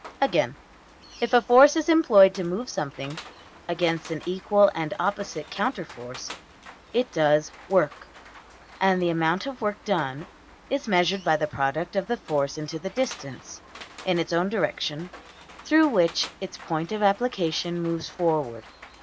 Again, if a force is employed to move something (against an equal and opposite counter force), it does \emph{work}; and the amount of work done is measured by the product of the force into the distance (in its own direction) through which its point of application moves forward.